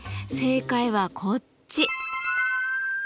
正解はこっち。